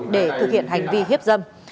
để thực hiện hành vi hiếp dâm